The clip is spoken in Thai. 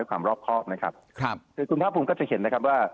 เพื่อรอบคอบนะครับคุณท้าภูมิก็จะเห็นนะครับว่า